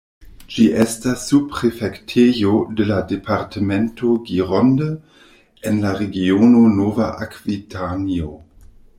Ĝi estas subprefektejo de la departemento Gironde, en la regiono Nova Akvitanio.